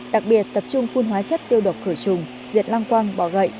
đặc biệt tập trung phun hóa chất tiêu độc khởi trùng diệt lăng quang bỏ gậy